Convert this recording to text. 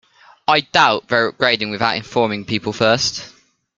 I doubt they're upgrading without informing people first.